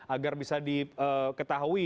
agar bisa diketahui